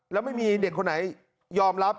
แล้วไม่มีเด็กคนไหนยอมรับ